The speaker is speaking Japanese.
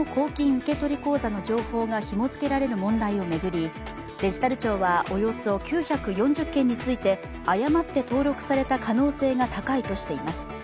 受け取り口座の情報がひも付けられる問題を巡りデジタル庁はおよそ９４０件について、誤って登録された可能性が高いとしています。